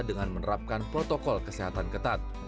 dengan menerapkan protokol kesehatan ketat